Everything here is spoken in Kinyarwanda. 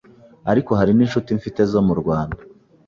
ariko hari n’inshuti mfite zo mu Rwanda.